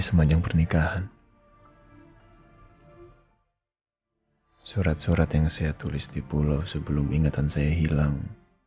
sepanjang pernikahan surat surat yang saya tulis di pulau sebelum ingatan saya hilang